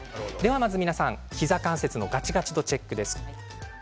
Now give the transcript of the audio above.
まず膝関節のガチガチ度チェックです。